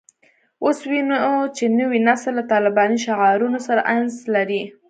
اوس وینو چې نوی نسل له طالباني شعارونو سره انس لري